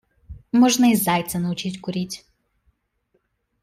Можно и зайца научить курить.